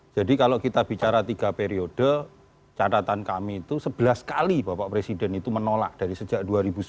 kalau kita bicara tiga periode catatan kami itu sebelas kali bapak presiden itu menolak dari sejak dua ribu sembilan belas